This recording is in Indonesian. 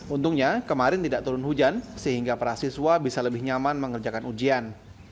untungnya kemarin tidak turun hujan sehingga para siswa bisa lebih nyaman mengerjakan ujian